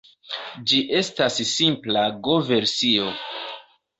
Ĝi estas simpla Go-versio.